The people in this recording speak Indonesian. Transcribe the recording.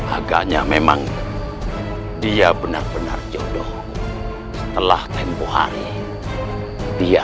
agaknya memang dia benar benar jodoh setelah tempoh hari dia